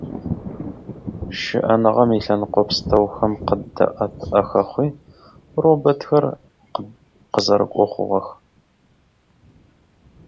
Роботы стали обычным явлением, помогая нам во всех сферах жизни.